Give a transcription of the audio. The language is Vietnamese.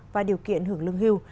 và điều kiện hưởng lương hưu